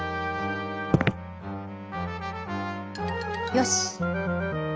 「よし」。